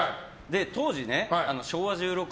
当時、昭和１６年。